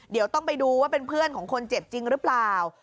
เดี๋ยวต้องไปดูว่าเป็นเพื่อนของคนเจ็บจริงหรือเปล่า